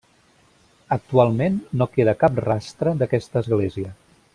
Actualment no queda cap rastre d'aquesta església.